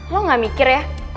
lo gak mikir ya